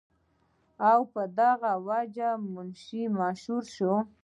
او پۀ دغه وجه پۀ منشي مشهور شو ۔